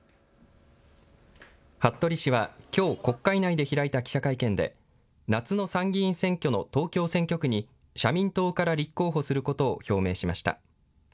服部氏は、きょう国会内で開いた記者会見で夏の参議院選挙の東京選挙区に社民党から立候補することを表明しました。